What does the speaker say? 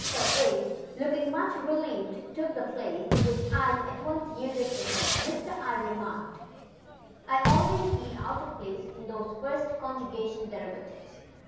So A, looking much relieved, took the at once yielded to him ; Mr. I remarked, I alv^ays feel out of place in those first conjugation derivatives.